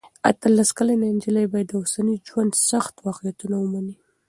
اتلس کلنه نجلۍ باید د اوسني ژوند سخت واقعیتونه ومني.